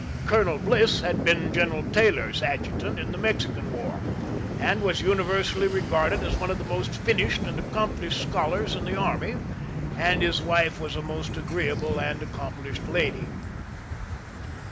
Colonel Bliss had been General Taylor's adjutant in the Mexican War, and was universally regarded as one of the most finished and accomplished scholars in the army, and his wife was a most agreeable and accomplished lady.